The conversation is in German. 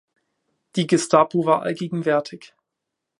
Die Gestapo war allgegenwärtig.